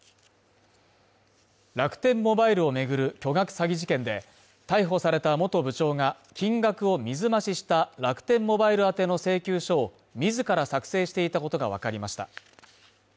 楽天モバイルを巡る巨額詐欺事件で逮捕された元部長が金額を水増しした楽天モバイル宛の請求書を自ら作成していたことがわかりました。